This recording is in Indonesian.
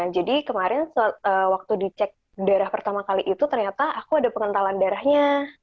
jadi kemarin waktu dicek darah pertama kali itu ternyata aku ada pengentalan darahnya